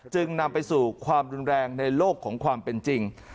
จึงนำไปสู่ความรุนแรงในโลกของความเป็นจริง